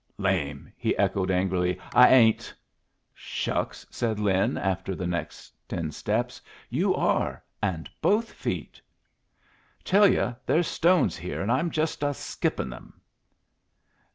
"Lame!" he echoed, angrily. "I ain't." "Shucks!" said Lin, after the next ten steps. "You are, and both feet." "Tell you, there's stones here, an' I'm just a skipping them."